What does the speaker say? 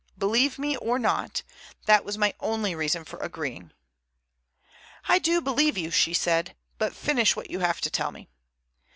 Believe me or not, that was my only reason for agreeing." "I do believe you," she said, "but finish what you have to tell me."